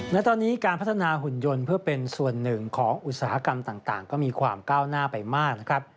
และตอนนี้การพัฒนาหุ่นยนต์เพื่อเป็นส่วนหนึ่งของอุตสาหกรรมต่างก็มีความก้าวหน้าไปมากนะครับ